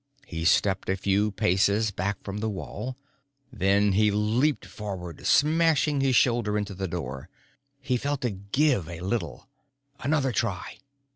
He stepped a few paces back from the wall. Then he leaped forward, smashing his shoulder into the door. He felt it give a little. Another try.